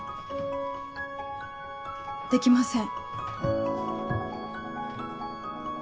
できません。